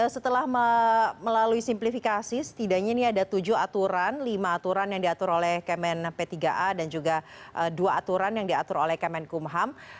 setelah melalui simplifikasi setidaknya ini ada tujuh aturan lima aturan yang diatur oleh kemen p tiga a dan juga dua aturan yang diatur oleh kemenkumham